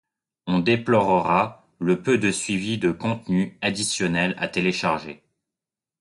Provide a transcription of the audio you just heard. On déplorera le peu de suivi de contenu additionnel à télécharger.